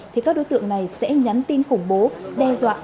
thì các đối tượng này sẽ nhắn tin khủng bố